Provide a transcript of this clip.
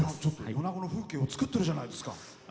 米子の風景を作ってるじゃないですか。